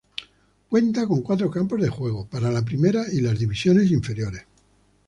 Cuenta con cuatro campos de juego, para la primera y las divisiones inferiores.